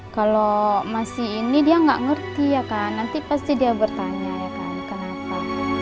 kalau masih ini dia nggak ngerti ya kan nanti pasti dia bertanya ya kan kenapa